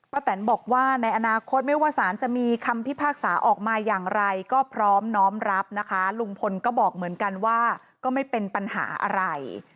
แตนบอกว่าในอนาคตไม่ว่าสารจะมีคำพิพากษาออกมาอย่างไรก็พร้อมน้อมรับนะคะลุงพลก็บอกเหมือนกันว่าก็ไม่เป็นปัญหาอะไร